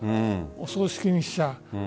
お葬式にしては。